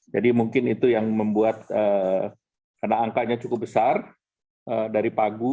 jadi mungkin itu yang membuat karena angkanya cukup besar dari pagu